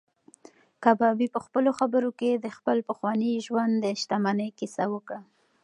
کبابي په خپلو خبرو کې د خپل پخواني ژوند د شتمنۍ کیسه وکړه.